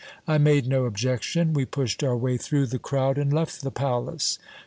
I made no objection ; we pushed our way through the crowd, and left the palace.